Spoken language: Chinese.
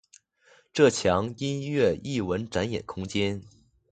这墙音乐艺文展演空间。